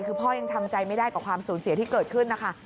คือพ่อยังทำใจไม่ได้กับความสูญเสียที่เกิดขึ้นนะคะ